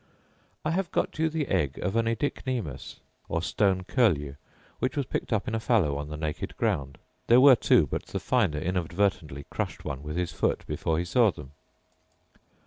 I have got you the egg of an oedicnemus, or stone curlew, which was picked up in a fallow on the naked ground: There were two; but the finder inadvertently crushed one with his foot before he saw them.